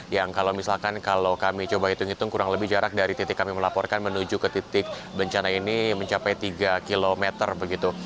yang kalau misalkan kalau kami coba hitung hitung kurang lebih jarak dari titik kami melaporkan menuju ke titik bencana ini mencapai tiga km begitu